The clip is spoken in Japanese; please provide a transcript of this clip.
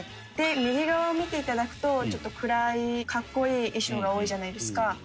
「右側を見ていただくとちょっと暗い格好いい衣装が多いじゃないですか」